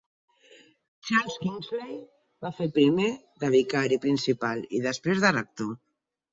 Charles Kingsley va fer primer de vicari principal i, després, de rector.